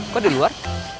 kok di luar